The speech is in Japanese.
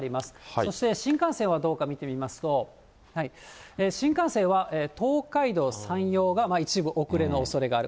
そして新幹線はどうか見てみますと、新幹線は東海道、山陽が一部遅れのおそれがある。